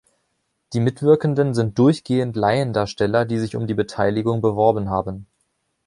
Die Mitwirkenden sind durchgehend Laiendarsteller, die sich um die Beteiligung beworben haben.